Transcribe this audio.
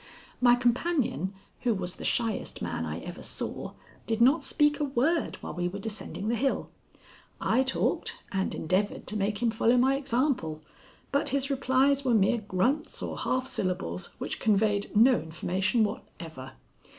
My companion, who was the shyest man I ever saw, did not speak a word while we were descending the hill. I talked, and endeavored to make him follow my example, but his replies were mere grunts or half syllables which conveyed no information whatever.